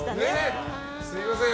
すみません！